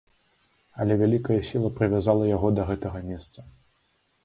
Але вялікая сіла прывязала яго да гэтага месца.